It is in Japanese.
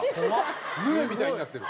鵺みたいになってる。